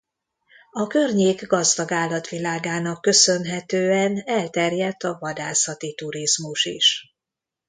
A környék gazdag állatvilágának köszönhetően elterjedt a vadászati turizmus is.